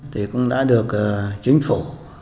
thì cũng đã được chính phủ